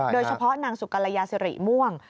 โดยเฉพาะนางสุกรยาสิริม่วง